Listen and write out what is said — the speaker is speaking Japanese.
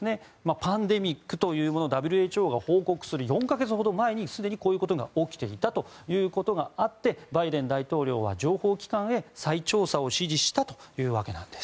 パンデミックとＷＨＯが報告する４か月ほど前にすでにこういうことが起きていたとあってバイデン大統領は情報機関へ再調査を指示したというわけです。